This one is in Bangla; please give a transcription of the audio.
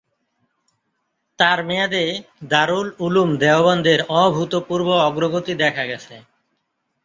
তার মেয়াদে দারুল উলুম দেওবন্দের অভূতপূর্ব অগ্রগতি দেখা গেছে।